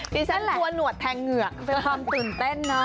ดิฉันกลัวหนวดแทงเหงือกเป็นความตื่นเต้นเนอะ